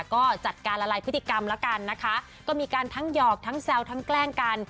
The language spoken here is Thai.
ก็จัดการละลายพฤติกรรมแล้วกันนะคะก็มีการทั้งหยอกทั้งแซวทั้งแกล้งกัน